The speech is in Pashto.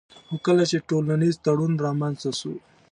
خو کله چي ټولنيز تړون رامنځته سو